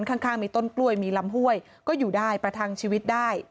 ข้างมีต้นกล้วยมีลำห้วยก็อยู่ได้ประทังชีวิตได้